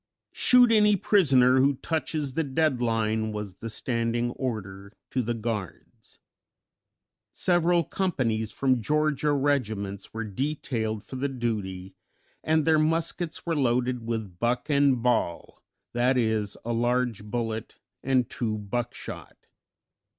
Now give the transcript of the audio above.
"Shoot any prisoner who touches the "dead line" was the standing order to the guards. Several companies from Georgia regiments were detailed for the duty, and their muskets were loaded with "buck and ball" (i. e., a large bullet and two buckshot).